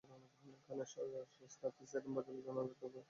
কানের কাছে সাইরেন বাজালে জানালার গ্লাস ভাঙবে, তবু তার ঘুম থাকবে অটুট।